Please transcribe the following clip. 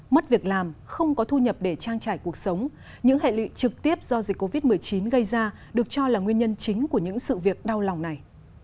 mất việc làm không có thu nhập để trang trải cuộc sống những hệ lụy trực tiếp do dịch covid một mươi chín gây ra được cho là nguyên nhân chính của những sự việc đau lòng này